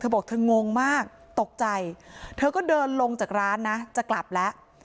บอกเธองงมากตกใจเธอก็เดินลงจากร้านนะจะกลับแล้ว